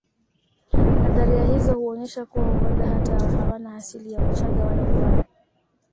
Nadharia hizo huonyesha kuwa huenda hata hawana asili ya uchaga wala upare